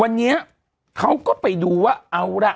วันนี้เขาก็ไปดูว่าเอาล่ะ